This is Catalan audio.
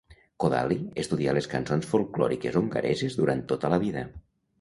Kodály estudià les cançons folklòriques hongareses durant tota la vida.